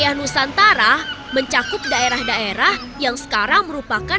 wilayah nusantara mencakup daerah daerah yang sekarang merupakan